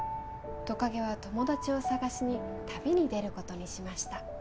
とかげは友達を探しに旅に出ることにしました